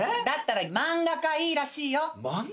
だったら漫画家いいらしいよ。